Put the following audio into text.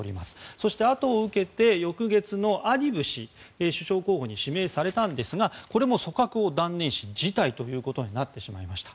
そして、あとを受けて翌月のアディブ氏首相候補に指名されたんですがこれも組閣を断念し辞退ということになってしまいました。